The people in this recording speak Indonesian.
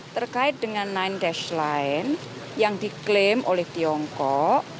terkait dengan sembilan sembilan yang diklaim oleh tiongkok